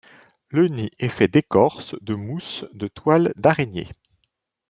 Le nid est fait d'écorce, de mousse, de toiles d'araignées.